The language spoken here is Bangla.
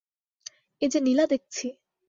এ যে নীলা দেখছি।